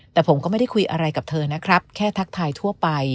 แต่ผมก็ไม่ได้คุยอะไรกับเธอนะครับแค่ทักทายทั่วไป